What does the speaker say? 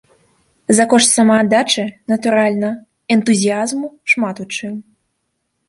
За кошт самааддачы, натуральна, энтузіязму шмат у чым.